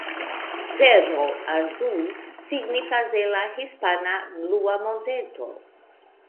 Cerro Azul signifas en la hispana "Blua Monteto".